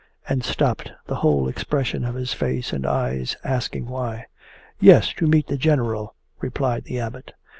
and stopped, the whole expression of his face and eyes asking why. 'Yes, to meet the General,' replied the Abbot.